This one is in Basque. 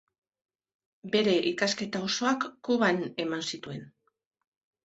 Bere ikasketa osoak Kuban eman zituen.